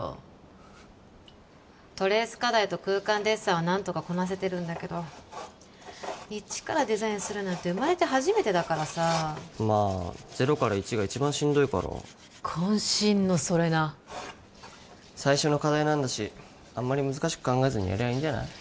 フフットレース課題と空間デッサンは何とかこなせてるんだけどイチからデザインするなんて生まれて初めてだからさまあゼロからイチが一番しんどいから渾身の「それな」最初の課題なんだしあんまり難しく考えずにやりゃいいんじゃない？